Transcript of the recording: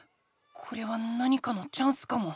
これは何かのチャンスかも。